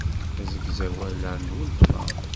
Asegzawal-a n weltma.